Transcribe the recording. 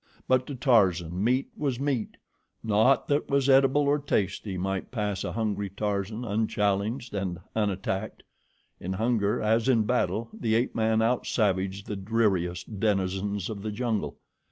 But to Tarzan, meat was meat; naught that was edible or tasty might pass a hungry Tarzan unchallenged and unattacked. In hunger, as in battle, the ape man out savaged the dreariest denizens of the jungle.